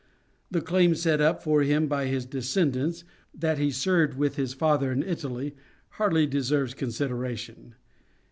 The claim set up for him by his descendants, that he served with his father in Italy, hardly deserves consideration.